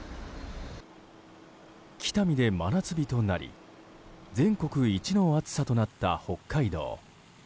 北見で真夏日となり全国一の暑さとなった北海道。